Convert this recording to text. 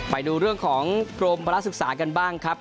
ไปดูเรื่องของกรมภาระศึกษากันบ้างครับ